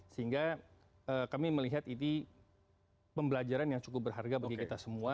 sehingga kami melihat ini pembelajaran yang cukup berharga bagi kita semua